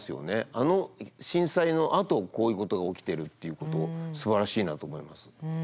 あの震災のあとこういうことが起きてるということすばらしいなと思います。